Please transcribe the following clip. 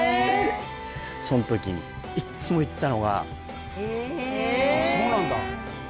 そん時にいっつも言ってたのがああそうなんだ